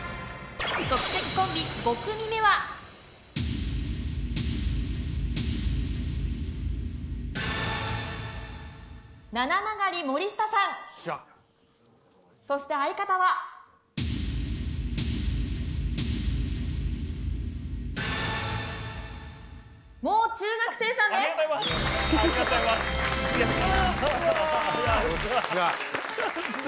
即席コンビ５組目はななまがり森下さんよっしゃそして相方はもう中学生さんですありがとうございますありがとうございますやった